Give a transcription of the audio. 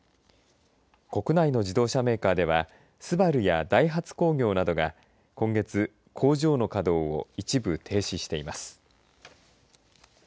国内の自動車メーカーではＳＵＢＡＲＵやダイハツ工業などが今月、工場の稼働を一部停止しています。